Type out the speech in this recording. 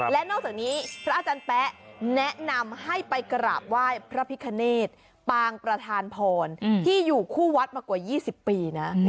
และนอกจากนี้พระอาจารย์แป๊ะแนะนำให้ไปกราบไหว้พระพิคเนตปางประธานพรที่อยู่คู่วัดมากว่า๒๐ปีนะ